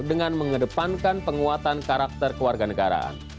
dengan mengedepankan penguatan karakter keluarga negaraan